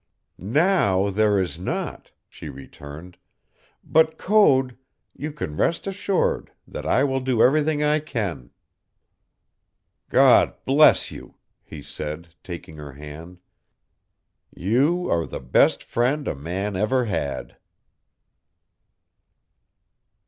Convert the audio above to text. "Now there is not," she returned, "but, Code, you can rest assured that I will do everything I can." "God bless you," he said, taking her hand; "you are the best friend a man ever had."